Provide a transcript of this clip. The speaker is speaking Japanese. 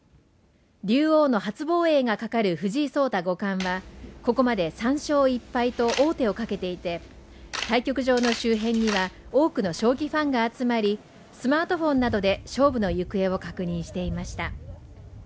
竜王の初防衛がかかる藤井聡太五冠はここまで３勝１敗と王手をかけていて対局場の周辺には多くの将棋ファンが集まり、スマートフォンなどで勝負の行方を確認していました。